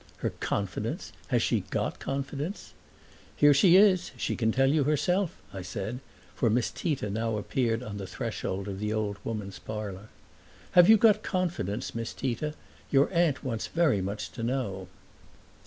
"Her confidence? Has she got confidence?" "Here she is she can tell you herself," I said; for Miss Tita now appeared on the threshold of the old woman's parlor. "Have you got confidence, Miss Tita? Your aunt wants very much to know."